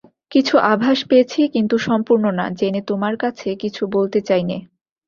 কিছু আভাস পেয়েছি, কিন্তু সম্পূর্ণ না জেনে তোমার কাছে কিছু বলতে চাই নে।